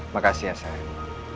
makasih ya sayang